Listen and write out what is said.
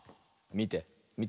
みてみて。